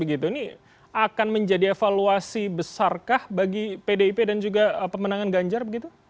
ini akan menjadi evaluasi besarkah bagi pdip dan juga pemenangan ganjar begitu